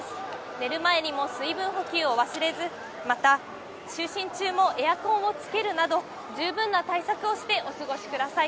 寝る前にも水分補給を忘れず、また就寝中もエアコンをつけるなど、十分な対策をしてお過ごしください。